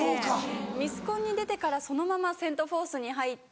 ミスコンに出てからそのままセント・フォースに入って。